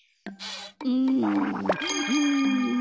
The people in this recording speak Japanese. うんうん。